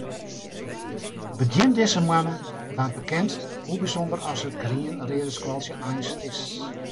Begjin dizze moanne waard bekend hoe bysûnder as it grien-reade skaaltsje eins is.